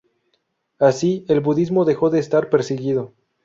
Así, el budismo dejó de estar perseguido.